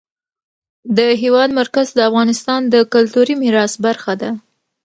د هېواد مرکز د افغانستان د کلتوري میراث برخه ده.